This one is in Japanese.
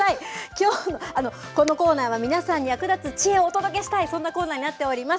きょうのこのコーナーは、皆さんに役立つ知恵をお届けしたい、そんなコーナーになっております。